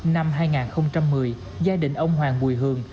năm hai nghìn một mươi gia đình ông hoàng bùi hường